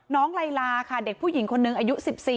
ไลลาค่ะเด็กผู้หญิงคนนึงอายุ๑๔